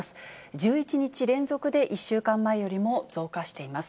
１１日連続で１週間前よりも増加しています。